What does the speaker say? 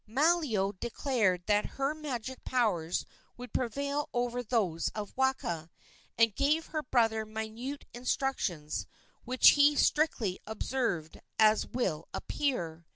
Malio declared that her magic powers would prevail over those of Waka, and gave her brother minute instructions, which he strictly observed, as will appear.